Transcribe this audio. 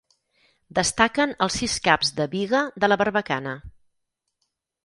Destaquen els sis caps de biga de la barbacana.